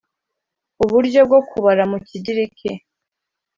uburyo bwo kubara mu kigiriki